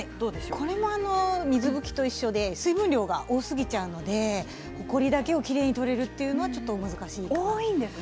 これは水拭きと一緒で水分量が多すぎちゃうのでほこりだけをきれいに取れるというのは、ちょっと難しいですね。